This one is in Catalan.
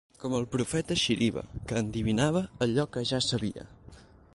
Com el profeta Xirivia, que endevinava allò que ja sabia.